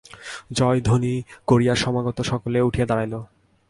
জয়ধ্বনি করিয়া সমাগত সকলে উঠিয়া দাঁড়াইল।